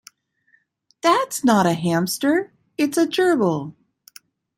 That's not a hamster, it's a gerbil.